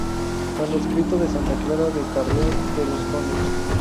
Manuscrito de Santa Clara de Carrión de los Condes